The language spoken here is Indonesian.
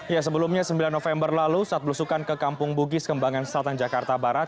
ya sebelumnya sembilan november lalu saat belusukan ke kampung bugis kembangan selatan jakarta barat